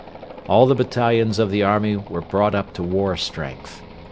All the battalions of the army were brought up to war strength.